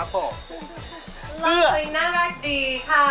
ลองซื้อมารักดีค่ะ